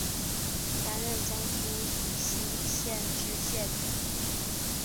担任江苏宜兴县知县。